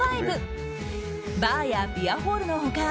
バーやビアホールの他